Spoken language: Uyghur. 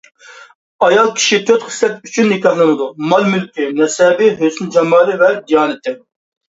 ئايال كىشى تۆت خىسلەت ئۈچۈن نىكاھلىنىدۇ: مال-مۈلكى، نەسەبى، ھۆسن-جامالى ۋە دىيانىتى.